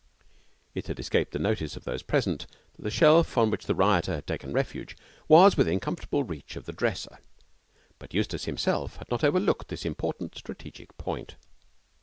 It had escaped the notice of those present that the shelf on which the rioter had taken refuge was within comfortable reach of the dresser, but Eustace himself had not overlooked this important strategic point.